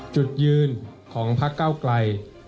จุดยืนของพักเก้าไกล